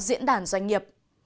diễn đàn doanh nghiệp